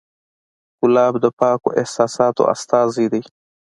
ګلاب د پاکو احساساتو استازی دی.